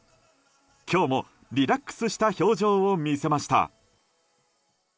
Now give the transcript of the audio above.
今日もリラックスした表情を見せました。